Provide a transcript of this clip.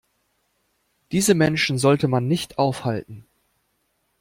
Diese Menschen sollte man nicht aufhalten.